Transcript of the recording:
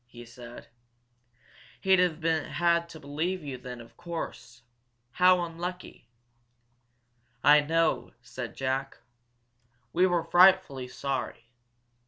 he said. "He'd have had to believe you then, of course. How unlucky!" "I know," said Jack. "We were frightfully sorry.